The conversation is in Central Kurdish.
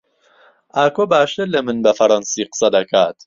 ئاکۆ باشتر لە من بە فەڕەنسی قسە دەکات.